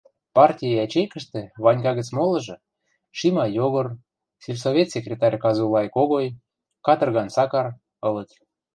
Парти ячейкӹштӹ Ванька гӹц молыжы — Шимай Йогор, сельсовет секретарь Казулай Когой, Катырган Сакар — ылыт.